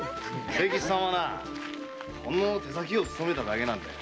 清吉さんはほんの手先をつとめただけなんだ。